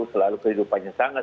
selalu kehidupannya sangat